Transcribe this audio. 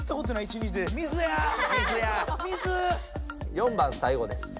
４番最後です。